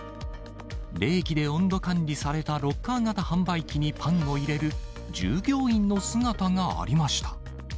冷気で温度管理されたロッカー型販売機にパンを入れる従業員の姿がありました。